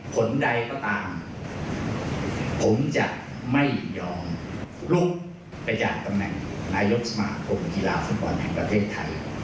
ผลใดก็ตามผมจะไม่ยอมลุกไปจากตำแหน่งนายกสมาคมกีฬาฟุตบอลแห่งประเทศไทย